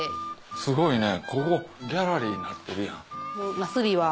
すごいねここギャラリーなってるやん。